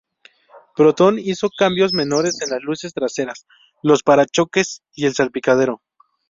Proton hizo cambios menores en las luces traseras, los parachoques y el salpicadero.